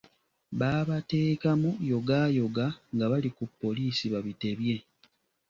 Baabateekamu, yogaayoga nga bali ku poliisi babitebya.